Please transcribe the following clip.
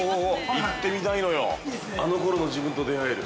行ってみたいのよ、あの頃の自分と出会える。